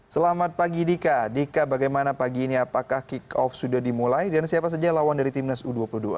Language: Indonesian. selamat pagi dika dika bagaimana pagi ini apakah kick off sudah dimulai dan siapa saja lawan dari timnas u dua puluh dua